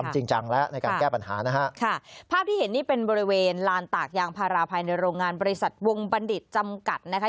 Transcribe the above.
ใช่ค่ะค่ะภาพที่เห็นนี่เป็นบริเวณลานตากยางภาราภายในโรงงานบริษัทวงบรรดิษฐ์จำกัดนะคะ